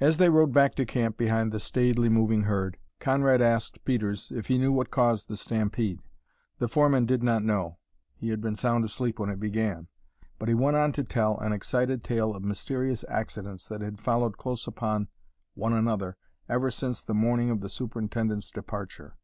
As they rode back to camp behind the staidly moving herd, Conrad asked Peters if he knew what caused the stampede. The foreman did not know, he had been sound asleep when it began. But he went on to tell an excited tale of mysterious accidents that had followed close upon one another ever since the morning of the superintendent's departure.